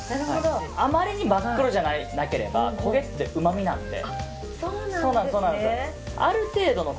あまりに真っ黒じゃなければ焦げって、うまみなので。